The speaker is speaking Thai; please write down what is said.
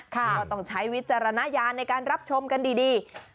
ก็ต้องใช้วิจารณญาณในการรับชมกันดี